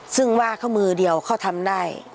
ซึ่งว่าข้อมือเดียวเขาทำได้